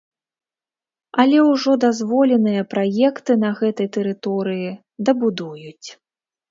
Але ўжо дазволеныя праекты на гэтай тэрыторыі дабудуюць.